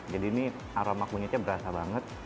jadi ini aroma kunyitnya berasa banget